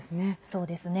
そうですね。